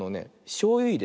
しょうゆいれね